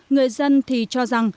người dân thì cho rằng